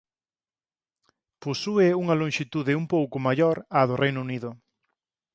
Posúe unha lonxitude un pouco maior á do Reino Unido.